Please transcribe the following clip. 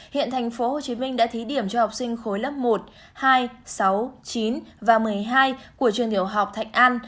hiện tp hcm đã thí điểm cho học sinh khối lớp một hai sáu chín và một mươi hai của trường tiểu học thạnh an